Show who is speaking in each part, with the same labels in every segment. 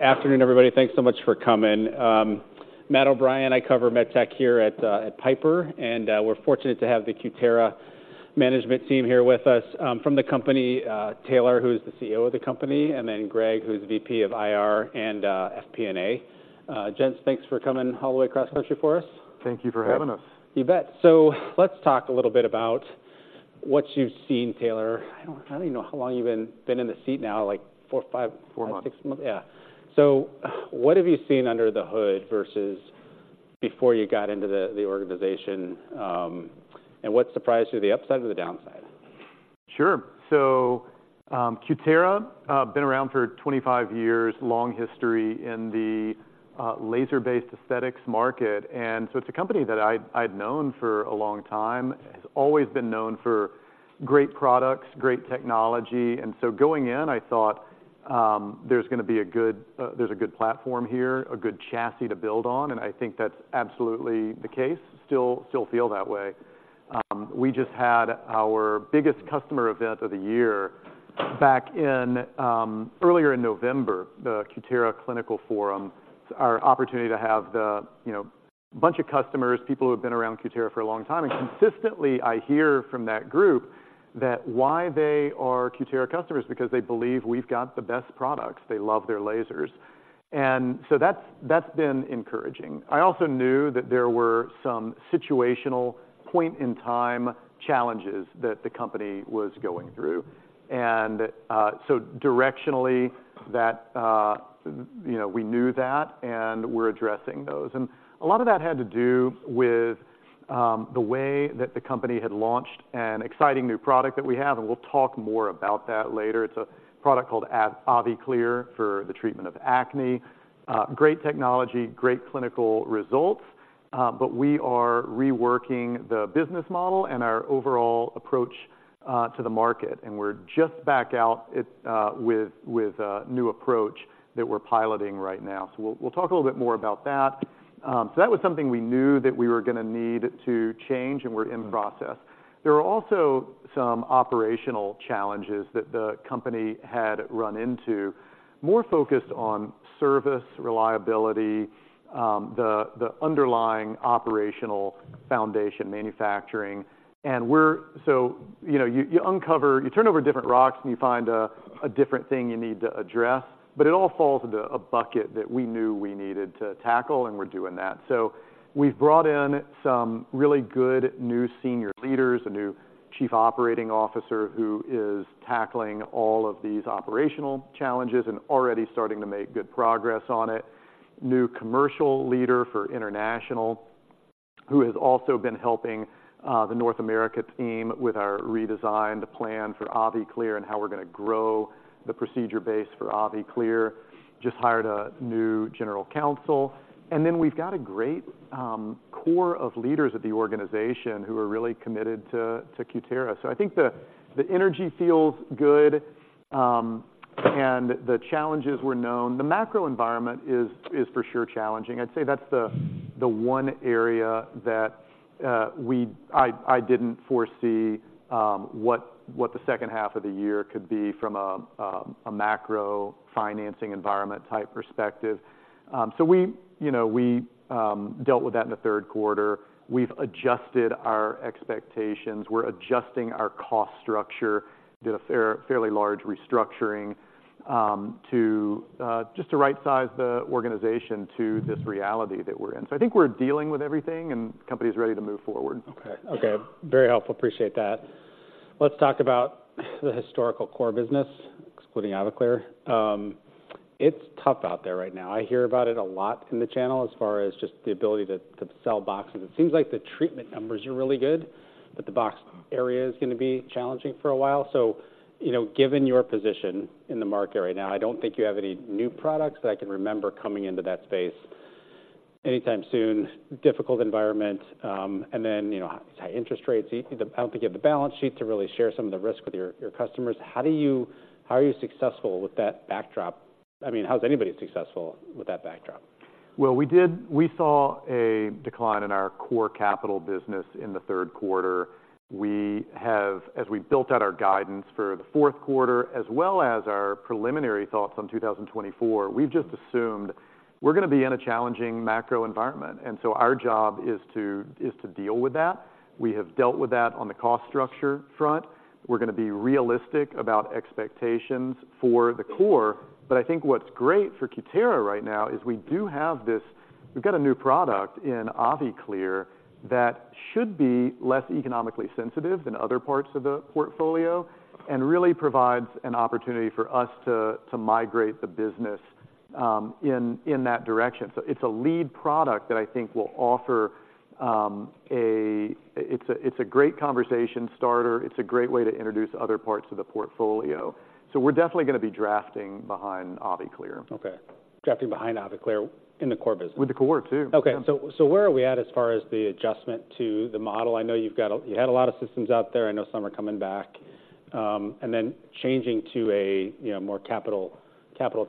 Speaker 1: Good afternoon, everybody. Thanks so much for coming. Matt O'Brien, I cover MedTech here at Piper, and we're fortunate to have the Cutera management team here with us. From the company, Taylor, who is the CEO of the company, and then Greg, who's VP of IR and FP&A. Gents, thanks for coming all the way across country for us.
Speaker 2: Thank you for having us.
Speaker 3: Thank you.
Speaker 1: You bet. So let's talk a little bit about what you've seen, Taylor. I don't even know how long you've been in the seat now, like four, five-
Speaker 2: Four months
Speaker 1: - six months. Yeah. So what have you seen under the hood versus before you got into the organization, and what surprised you, the upside or the downside?
Speaker 2: Sure. So, Cutera, been around for 25 years, long history in the laser-based aesthetics market, and so it's a company that I'd known for a long time. It has always been known for great products, great technology, and so going in, I thought, there's gonna be a good platform here, a good chassis to build on, and I think that's absolutely the case. Still feel that way. We just had our biggest customer event of the year back in earlier in November, the Cutera Clinical Forum. It's our opportunity to have the, you know, bunch of customers, people who have been around Cutera for a long time, and consistently, I hear from that group that why they are Cutera customers, because they believe we've got the best products. They love their lasers, and so that's been encouraging. I also knew that there were some situational point-in-time challenges that the company was going through, and, so directionally, that, you know, we knew that, and we're addressing those. And a lot of that had to do with, the way that the company had launched an exciting new product that we have, and we'll talk more about that later. It's a product called AviClear for the treatment of acne. Great technology, great clinical results, but we are reworking the business model and our overall approach, to the market, and we're just backing it out with a new approach that we're piloting right now. So we'll talk a little bit more about that. So that was something we knew that we were gonna need to change, and we're in the process. There are also some operational challenges that the company had run into, more focused on service, reliability, the underlying operational foundation, manufacturing. So, you know, you turn over different rocks, and you find a different thing you need to address, but it all falls into a bucket that we knew we needed to tackle, and we're doing that. So we've brought in some really good new senior leaders, a new Chief Operating Officer, who is tackling all of these operational challenges and already starting to make good progress on it. A new commercial leader for international, who has also been helping the North America team with our redesigned plan for AviClear and how we're gonna grow the procedure base for AviClear. Just hired a new general counsel, and then we've got a great core of leaders at the organization who are really committed to Cutera. So I think the energy feels good, and the challenges were known. The macro environment is for sure challenging. I'd say that's the one area that I didn't foresee what the second half of the year could be from a macro financing environment type perspective. So we, you know, dealt with that in the third quarter. We've adjusted our expectations. We're adjusting our cost structure. Did a fairly large restructuring to just right-size the organization to this reality that we're in. So I think we're dealing with everything, and the company is ready to move forward.
Speaker 1: Okay. Okay, very helpful. Appreciate that. Let's talk about the historical core business, excluding AviClear. It's tough out there right now. I hear about it a lot in the channel as far as just the ability to sell boxes. It seems like the treatment numbers are really good, but the box area is gonna be challenging for a while. So, you know, given your position in the market right now, I don't think you have any new products that I can remember coming into that space anytime soon. Difficult environment, and then, you know, high interest rates. I don't think you have the balance sheet to really share some of the risk with your customers. How are you successful with that backdrop? I mean, how's anybody successful with that backdrop?
Speaker 2: Well, we saw a decline in our core capital business in the third quarter. We have, as we built out our guidance for the fourth quarter, as well as our preliminary thoughts on 2024, we've just assumed we're gonna be in a challenging macro environment, and so our job is to deal with that. We have dealt with that on the cost structure front. We're gonna be realistic about expectations for the core, but I think what's great for Cutera right now is we do have this, we've got a new product in AviClear that should be less economically sensitive than other parts of the portfolio and really provides an opportunity for us to migrate the business in that direction. So it's a lead product that I think will offer a. It's a great conversation starter. It's a great way to introduce other parts of the portfolio. We're definitely gonna be drafting behind AviClear.
Speaker 1: Okay. Drafting behind AviClear in the core business.
Speaker 2: With the core, too.
Speaker 1: Okay.
Speaker 2: Yeah.
Speaker 1: So, where are we at as far as the adjustment to the model? I know you've got a... You had a lot of systems out there. I know some are coming back. And then changing to a, you know, more capital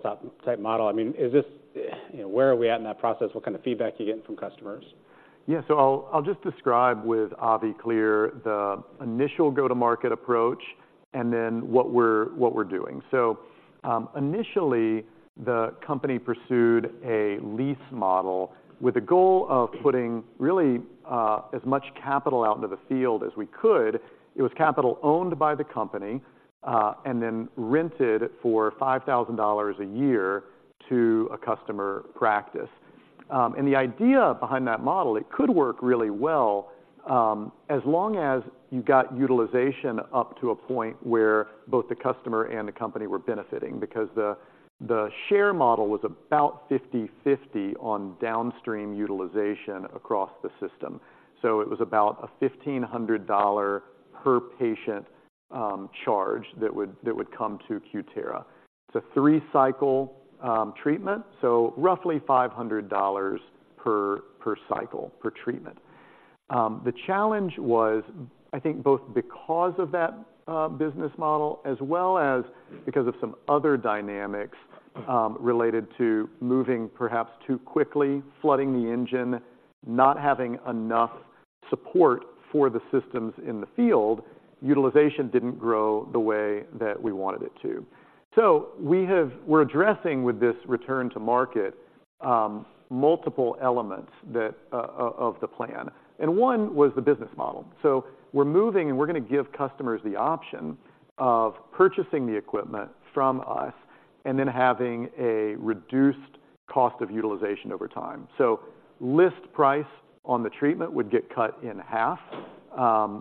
Speaker 1: type model, I mean, is this-... Where are we at in that process? What kind of feedback are you getting from customers?
Speaker 2: Yeah, so I'll, I'll just describe with AviClear, the initial go-to-market approach, and then what we're, what we're doing. So, initially, the company pursued a lease model with the goal of putting really, as much capital out into the field as we could. It was capital owned by the company, and then rented for $5,000 a year to a customer practice. And the idea behind that model, it could work really well, as long as you got utilization up to a point where both the customer and the company were benefiting. Because the, the share model was about 50/50 on downstream utilization across the system. So it was about a $1,500 per patient, charge that would, that would come to Cutera. It's a three-cycle, treatment, so roughly $500 per, per cycle, per treatment. The challenge was, I think, both because of that business model, as well as because of some other dynamics related to moving perhaps too quickly, flooding the engine, not having enough support for the systems in the field, utilization didn't grow the way that we wanted it to. So we're addressing with this return to market multiple elements of the plan, and one was the business model. So we're moving, and we're gonna give customers the option of purchasing the equipment from us and then having a reduced cost of utilization over time. So list price on the treatment would get cut in half, to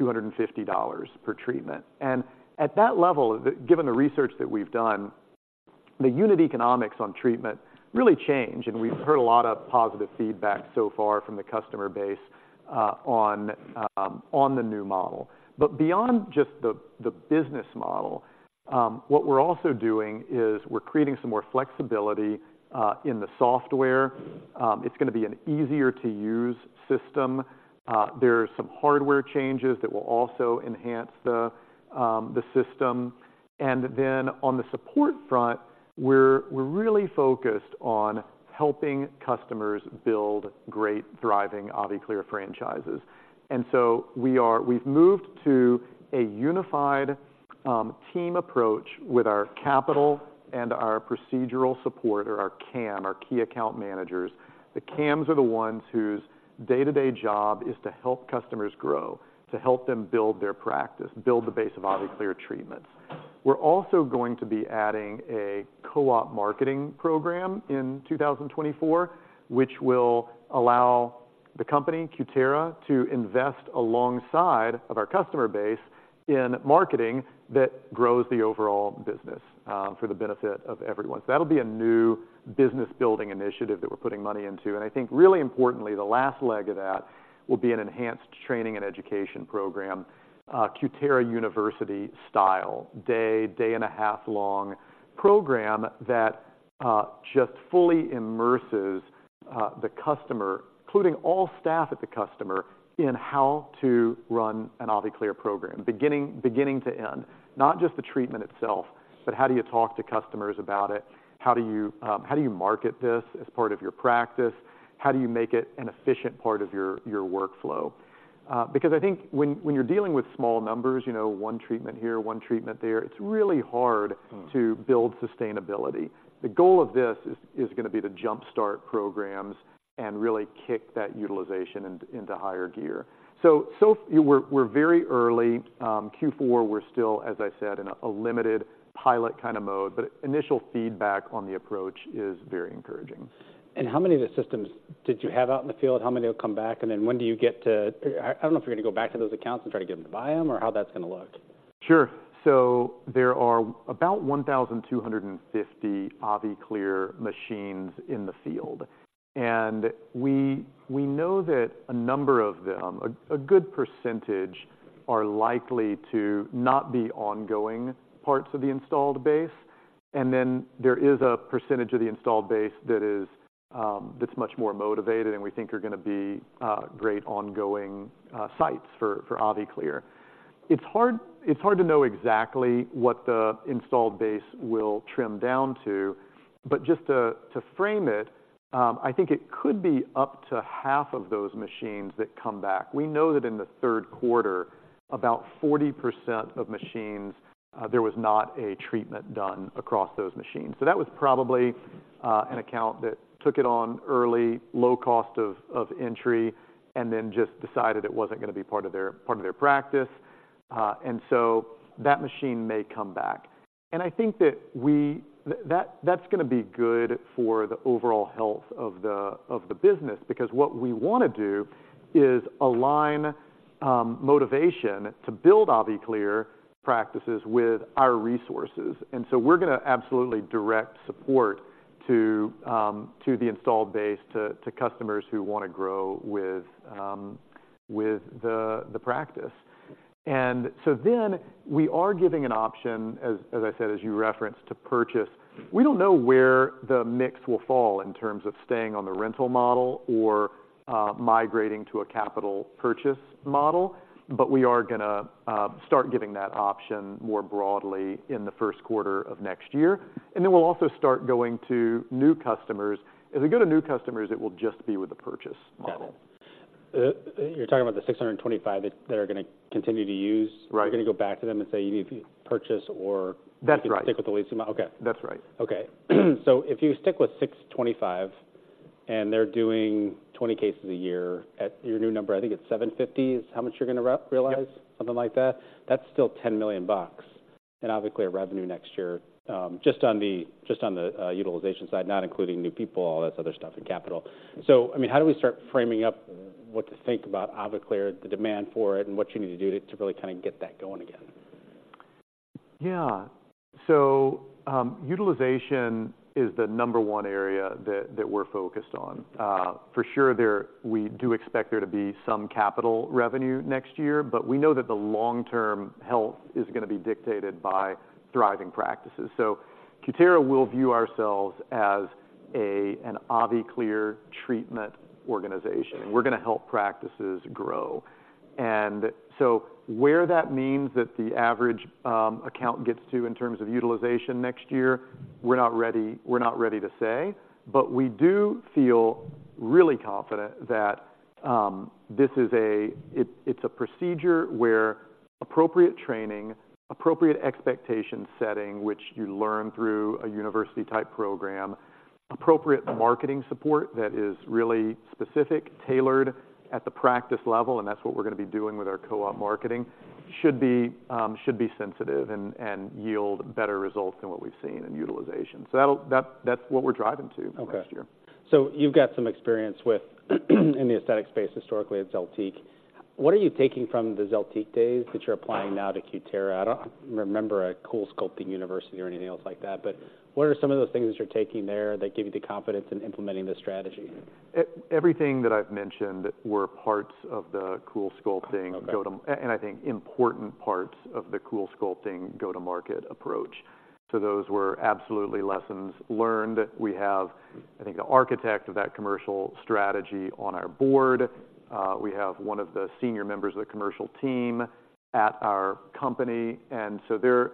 Speaker 2: $250 per treatment. And at that level, the... Given the research that we've done, the unit economics on treatment really change, and we've heard a lot of positive feedback so far from the customer base on the new model. But beyond just the business model, what we're also doing is we're creating some more flexibility in the software. It's gonna be an easier-to-use system. There are some hardware changes that will also enhance the system. And then on the support front, we're really focused on helping customers build great, thriving AviClear franchises. And so we've moved to a unified team approach with our capital and our procedural support, or our KAM, our key account managers. The KAMs are the ones whose day-to-day job is to help customers grow, to help them build their practice, build the base of AviClear treatments. We're also going to be adding a co-op marketing program in 2024, which will allow the company, Cutera, to invest alongside of our customer base in marketing that grows the overall business, for the benefit of everyone. So that'll be a new business building initiative that we're putting money into. And I think really importantly, the last leg of that will be an enhanced training and education program, Cutera University style, day, day-and-a-half-long program that just fully immerses the customer, including all staff at the customer, in how to run an AviClear program, beginning, beginning to end. Not just the treatment itself, but how do you talk to customers about it? How do you, how do you market this as part of your practice? How do you make it an efficient part of your, your workflow? Because I think when you're dealing with small numbers, you know, one treatment here, one treatment there, it's really hard-
Speaker 1: Mm.
Speaker 2: to build sustainability. The goal of this is gonna be to jumpstart programs and really kick that utilization into higher gear. So we're very early. Q4, we're still, as I said, in a limited pilot kind of mode, but initial feedback on the approach is very encouraging.
Speaker 1: How many of the systems did you have out in the field? How many will come back, and then when do you get to... I don't know if you're gonna go back to those accounts and try to get them to buy them or how that's gonna look.
Speaker 2: Sure. So there are about 1,250 AviClear machines in the field, and we know that a number of them, a good percentage, are likely to not be ongoing parts of the installed base. And then there is a percentage of the installed base that is, that's much more motivated, and we think are gonna be great ongoing sites for AviClear. It's hard to know exactly what the installed base will trim down to, but just to frame it, I think it could be up to half of those machines that come back. We know that in the third quarter, about 40% of machines, there was not a treatment done across those machines. So that was probably an account that took it on early, low cost of entry, and then just decided it wasn't gonna be part of their practice. And so that machine may come back. And I think that's gonna be good for the overall health of the business. Because what we wanna do is align motivation to build AviClear practices with our resources, and so we're gonna absolutely direct support to the installed base, to customers who wanna grow with the practice. And so then we are giving an option, as I said, as you referenced, to purchase. We don't know where the mix will fall in terms of staying on the rental model or migrating to a capital purchase model. But we are gonna start giving that option more broadly in the first quarter of next year, and then we'll also start going to new customers. As we go to new customers, it will just be with the purchase model.
Speaker 1: Got it. You're talking about the 625 that they're gonna continue to use?
Speaker 2: Right.
Speaker 1: They're gonna go back to them and say, "You need to purchase or-
Speaker 2: That's right.
Speaker 1: Stick with the leasing model." Okay.
Speaker 2: That's right.
Speaker 1: Okay. So if you stick with $625, and they're doing 20 cases a year at your new number, I think it's $750, is how much you're gonna realize?
Speaker 2: Yep.
Speaker 1: Something like that. That's still $10 million in AviClear revenue next year, just on the utilization side, not including new people, all this other stuff and capital. So I mean, how do we start framing up what to think about AviClear, the demand for it, and what you need to do to really kinda get that going again?
Speaker 2: Yeah. So, utilization is the number one area that, that we're focused on. For sure, we do expect there to be some capital revenue next year, but we know that the long-term health is gonna be dictated by thriving practices. So Cutera will view ourselves as a, an AviClear treatment organization. We're gonna help practices grow. And so where that means that the average account gets to in terms of utilization next year, we're not ready, we're not ready to say, but we do feel really confident that this is a... It's a procedure where appropriate training, appropriate expectation setting, which you learn through a university-type program, appropriate marketing support that is really specific, tailored at the practice level, and that's what we're gonna be doing with our co-op marketing, should be sensitive and yield better results than what we've seen in utilization. So that'll... That's what we're driving to-
Speaker 1: Okay
Speaker 2: -next year.
Speaker 1: So you've got some experience with, in the aesthetic space historically at ZELTIQ. What are you taking from the ZELTIQ days that you're applying now to Cutera? I don't remember a CoolSculpting University or anything else like that, but what are some of the things that you're taking there that give you the confidence in implementing this strategy?
Speaker 2: Everything that I've mentioned were parts of the CoolSculpting-
Speaker 1: Okay
Speaker 2: And I think important parts of the CoolSculpting go-to-market approach. So those were absolutely lessons learned. We have, I think, the architect of that commercial strategy on our board. We have one of the senior members of the commercial team at our company, and so there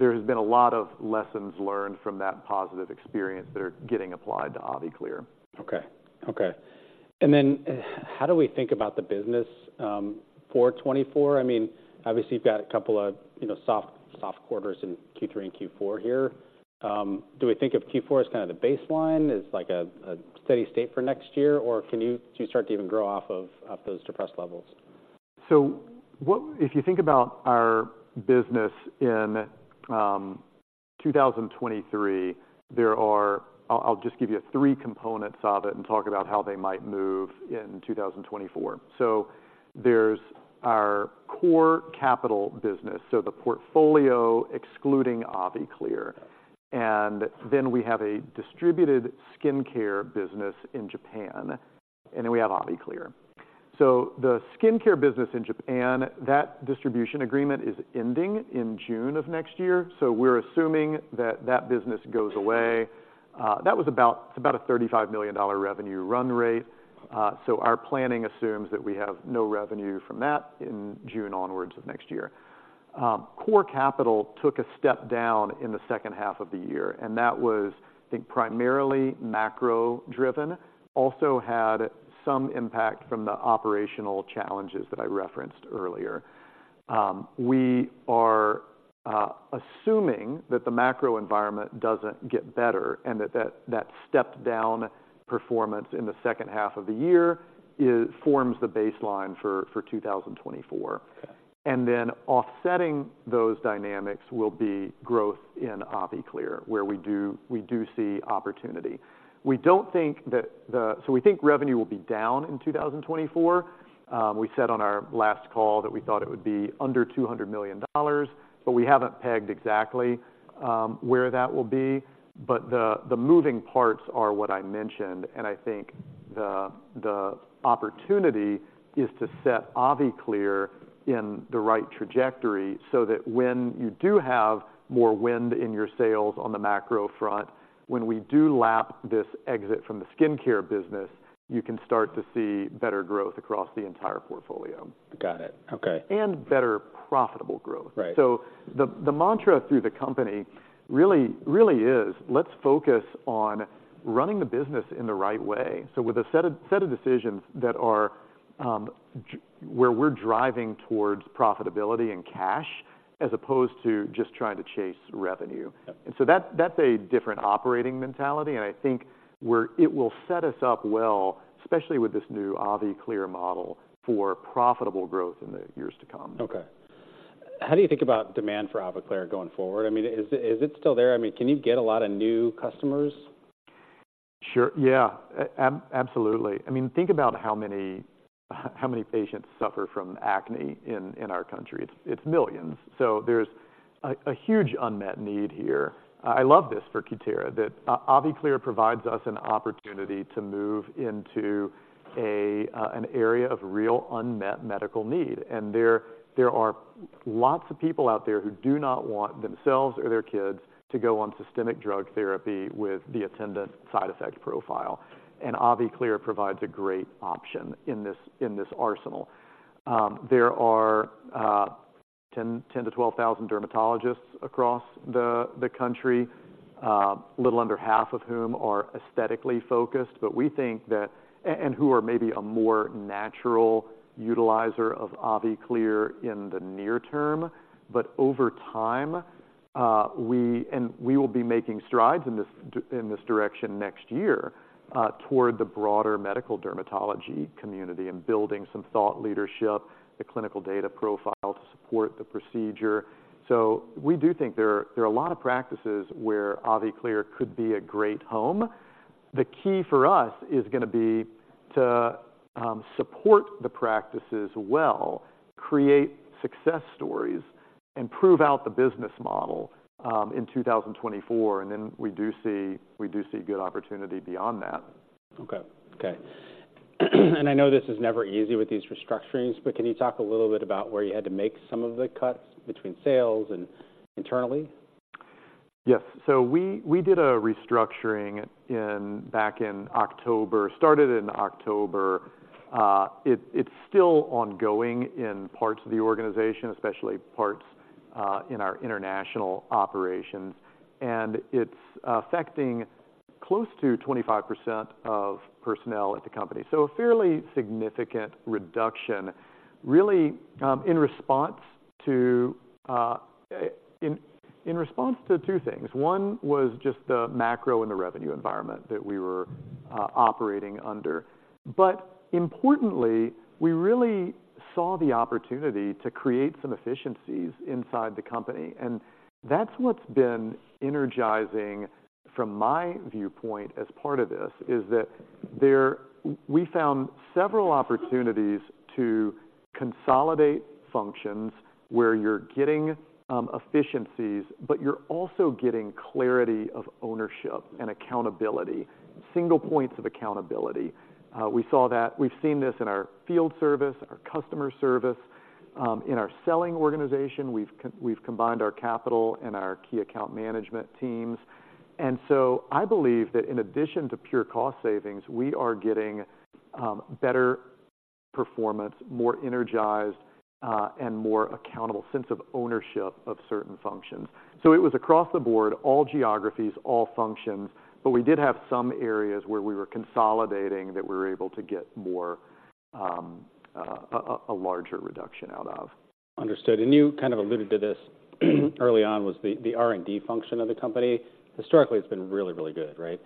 Speaker 2: has been a lot of lessons learned from that positive experience that are getting applied to AviClear.
Speaker 1: Okay. Okay, and then, how do we think about the business, for 2024? I mean, obviously, you've got a couple of, you know, soft, soft quarters in Q3 and Q4 here. Do we think of Q4 as kinda the baseline, as like a, a steady state for next year, or can you... Do you start to even grow off of- of those depressed levels?
Speaker 2: So if you think about our business in 2023, there are. I'll just give you three components of it and talk about how they might move in 2024. So there's our core capital business, so the portfolio excluding AviClear, and then we have a distributed skincare business in Japan, and then we have AviClear. So the skincare business in Japan, that distribution agreement is ending in June of next year, so we're assuming that that business goes away. That was about, it's about a $35 million revenue run rate, so our planning assumes that we have no revenue from that in June onwards of next year. Core capital took a step down in the second half of the year, and that was, I think, primarily macro-driven, also had some impact from the operational challenges that I referenced earlier. We are assuming that the macro environment doesn't get better and that stepped-down performance in the second half of the year forms the baseline for 2024.
Speaker 1: Okay.
Speaker 2: And then offsetting those dynamics will be growth in AviClear, where we do, we do see opportunity. We don't think that. So we think revenue will be down in 2024. We said on our last call that we thought it would be under $200 million, but we haven't pegged exactly where that will be. But the moving parts are what I mentioned, and I think the opportunity is to set AviClear in the right trajectory so that when you do have more wind in your sails on the macro front, when we do lap this exit from the skincare business, you can start to see better growth across the entire portfolio.
Speaker 1: Got it. Okay.
Speaker 2: Better profitable growth.
Speaker 1: Right.
Speaker 2: So the mantra through the company really, really is, let's focus on running the business in the right way. So with a set of decisions that are where we're driving towards profitability and cash, as opposed to just trying to chase revenue.
Speaker 1: Yep.
Speaker 2: That's a different operating mentality, and I think it will set us up well, especially with this new AviClear model, for profitable growth in the years to come.
Speaker 1: Okay. How do you think about demand for AviClear going forward? I mean, is it, is it still there? I mean, can you get a lot of new customers?
Speaker 2: Sure. Yeah, absolutely. I mean, think about how many patients suffer from acne in our country. It's millions. So there's a huge unmet need here. I love this for Cutera, that AviClear provides us an opportunity to get into an area of real unmet medical need. And there are lots of people out there who do not want themselves or their kids to go on systemic drug therapy with the attendant side effect profile, and AviClear provides a great option in this arsenal. There are 10,000-12,000 dermatologists across the country, a little under half of whom are aesthetically focused, but we think that, and who are maybe a more natural utilizer of AviClear in the near term. But over time, we will be making strides in this, in this direction next year, toward the broader medical dermatology community and building some thought leadership, the clinical data profile to support the procedure. So we do think there are, there are a lot of practices where AviClear could be a great home. The key for us is gonna be to support the practices well, create success stories, and prove out the business model, in 2024, and then we do see, we do see good opportunity beyond that.
Speaker 1: Okay. Okay. I know this is never easy with these restructurings, but can you talk a little bit about where you had to make some of the cuts between sales and internally?
Speaker 2: Yes. So we did a restructuring back in October, started in October. It’s still ongoing in parts of the organization, especially parts in our international operations, and it’s affecting close to 25% of personnel at the company. So a fairly significant reduction, really, in response to two things. One was just the macro and the revenue environment that we were operating under. But importantly, we really saw the opportunity to create some efficiencies inside the company, and that’s what’s been energizing from my viewpoint as part of this, is that there we found several opportunities to consolidate functions where you’re getting efficiencies, but you’re also getting clarity of ownership and accountability, single points of accountability. We saw that. We’ve seen this in our field service, our customer service, in our selling organization. We've combined our capital and our key account management teams. And so I believe that in addition to pure cost savings, we are getting better performance, more energized, and more accountable sense of ownership of certain functions. So it was across the board, all geographies, all functions, but we did have some areas where we were consolidating that we were able to get a larger reduction out of.
Speaker 1: Understood. And you kind of alluded to this early on, was the R&D function of the company. Historically, it's been really, really good, right?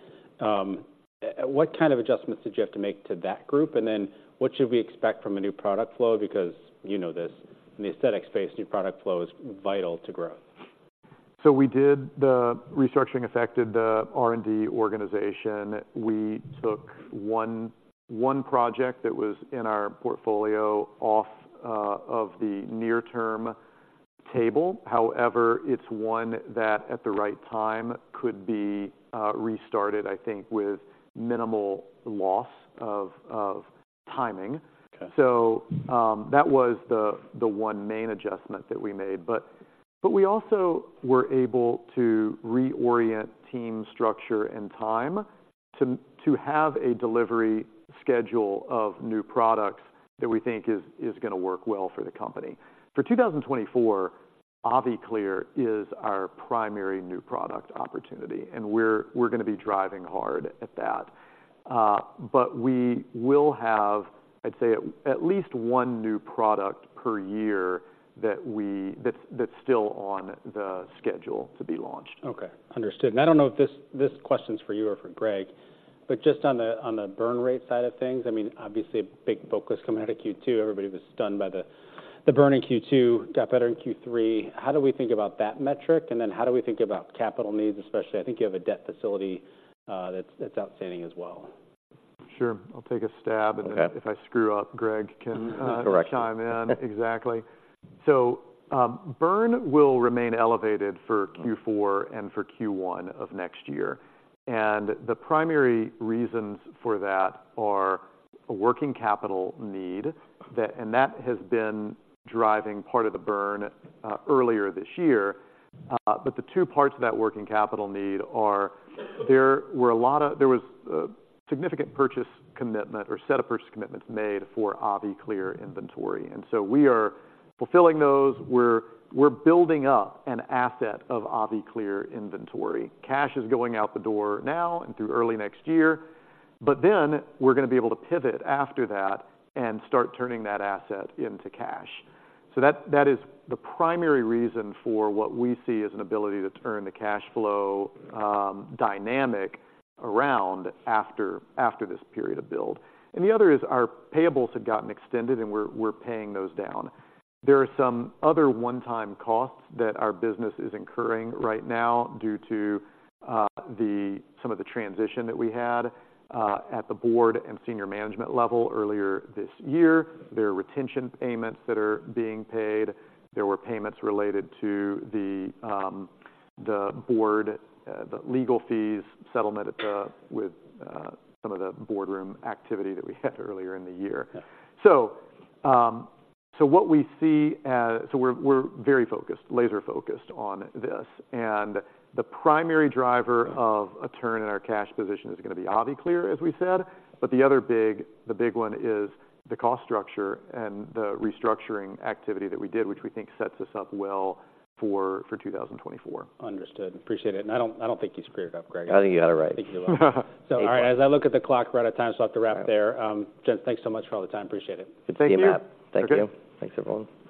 Speaker 1: What kind of adjustments did you have to make to that group? And then what should we expect from a new product flow? Because you know this, in the aesthetic space, new product flow is vital to growth.
Speaker 2: So we did. The restructuring affected the R&D organization. We took one project that was in our portfolio off of the near-term table. However, it's one that, at the right time, could be restarted, I think, with minimal loss of timing.
Speaker 1: Okay.
Speaker 2: So, that was the one main adjustment that we made. But we also were able to reorient team structure and time to have a delivery schedule of new products that we think is gonna work well for the company. For 2024, AviClear is our primary new product opportunity, and we're gonna be driving hard at that. But we will have, I'd say, at least one new product per year that we that's still on the schedule to be launched.
Speaker 1: Okay, understood. And I don't know if this, this question's for you or for Greg, but just on the, on the burn rate side of things, I mean, obviously, a big focus coming out of Q2. Everybody was stunned by the, the burn in Q2, got better in Q3. How do we think about that metric, and then how do we think about capital needs, especially, I think you have a debt facility, that's, that's outstanding as well?
Speaker 2: Sure. I'll take a stab-
Speaker 1: Okay...
Speaker 2: and then if I screw up, Greg can,
Speaker 1: Correct
Speaker 2: Chime in. Exactly. So, burn will remain elevated for Q4.
Speaker 1: Mm-hmm...
Speaker 2: and for Q1 of next year, and the primary reasons for that are a working capital need that has been driving part of the burn earlier this year. But the two parts of that working capital need are, there was a significant purchase commitment or set of purchase commitments made for AviClear inventory, and so we are fulfilling those. We're building up an asset of AviClear inventory. Cash is going out the door now and through early next year, but then we're gonna be able to pivot after that and start turning that asset into cash. So that is the primary reason for what we see as an ability to turn the cash flow dynamic around after this period of build. And the other is our payables had gotten extended, and we're paying those down. There are some other one-time costs that our business is incurring right now due to some of the transition that we had at the board and senior management level earlier this year. There are retention payments that are being paid. There were payments related to the board, the legal fees settlement with some of the boardroom activity that we had earlier in the year.
Speaker 1: Yeah.
Speaker 2: So what we see, we're very focused, laser focused on this, and the primary driver of a turn in our cash position is gonna be AviClear, as we said, but the other big, the big one, is the cost structure and the restructuring activity that we did, which we think sets us up well for 2024.
Speaker 1: Understood. Appreciate it. I don't, I don't think you screwed up, Greg. I think you got it right. I think you're right. All right. As I look at the clock, we're out of time, so I'll have to wrap up there. Gents, thanks so much for all the time. Appreciate it. Good to see you, Matt.
Speaker 2: Thank you.
Speaker 1: Thank you. Thanks, everyone.